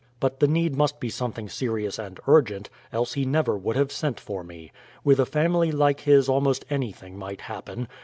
But the need must be something serious and urgent, else he never would have sent for me. With a family like his almost anything might happen.